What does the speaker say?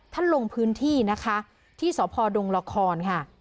ลงพื้นที่นะคะที่สพดงละครค่ะ